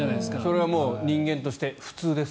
それは人間として普通です。